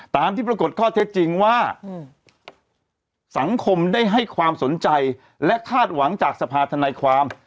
ตามที่ปรากฏข้อเท็จจริงว่าสังคมได้ให้ความสนใจและคาดหวังจากสภาธนายความ